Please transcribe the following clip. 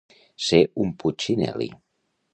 Ser un putxinel·li.